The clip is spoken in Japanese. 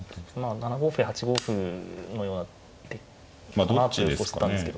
７五歩や８五歩のような手かなって予想してたんですけど。